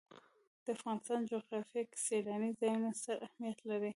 د افغانستان جغرافیه کې سیلاني ځایونه ستر اهمیت لري.